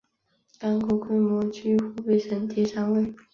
港口规模居湖北省第三位。